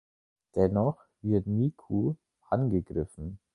Dennoch wird Miku angegriffen.